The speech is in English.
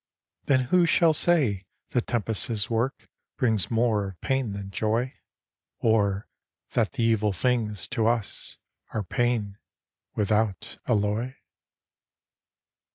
Then who shall say the tempest's work Brings more of pain than joy; Or that the evil things, to us Are pain, without alloy?